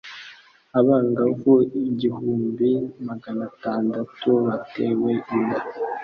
abangavu igihumbi maganatandatu batewe inda,